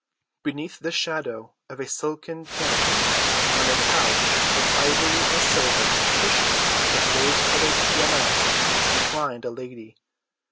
Beneath the shadow of a silken canopy, on a couch of ivory and silver cushioned with rose‐colored damask reclined a lady.